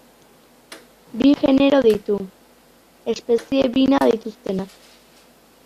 Bi genero ditu, espezie bina dituztenak.